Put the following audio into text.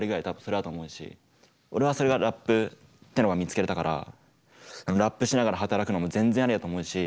俺はそれがラップってのが見つけれたからラップしながら働くのも全然ありだと思うし。